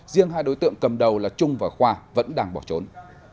riêng hai đối tượng cầm đầu là trung và khoa vẫn đang bỏ trốn